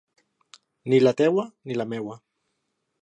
Ni la teva ni la meva.